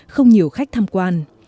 không nhiều khách tham quan